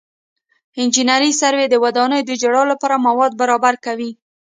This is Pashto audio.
انجنیري سروې د ودانیو د جوړولو لپاره مواد برابر کوي